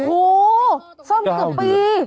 อู๋ซ่อมเกือบปี